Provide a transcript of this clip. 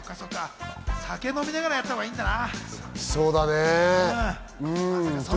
酒飲みながらやったほうがいいんだな。